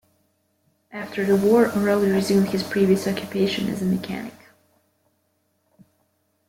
After the war, Orelli resumed his previous occupation as a mechanic.